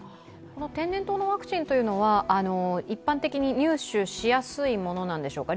天然痘のワクチンは一般的に入手しやすいものなんでしょうか。